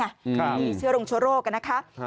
ใช่ค่ะนี่เชื้อลงโชโรกนะคะ